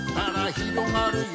ひろがる！